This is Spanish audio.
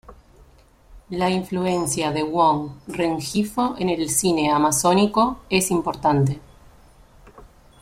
La influencia de Wong Rengifo en el cine amazónico es importante.